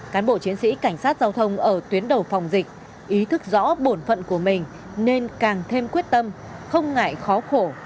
cán bộ chiến sĩ cảnh sát giao thông ở tuyến đầu phòng dịch ý thức rõ bổn phận của mình nên càng thêm quyết tâm không ngại khó khổ